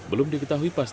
belum diketahui pas tersebut